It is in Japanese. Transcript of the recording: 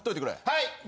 はい。